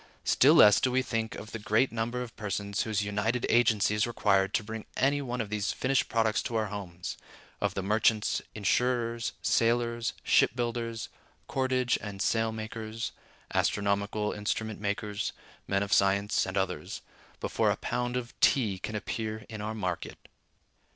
Still less do we think of the great number of persons whose united agency is required to bring any one of these finished products to our homes—of the merchants, insurers, sailors, ship builders, cordage and sail makers, astronomical instrument makers, men of science, and others, before a pound of tea can appear in our market."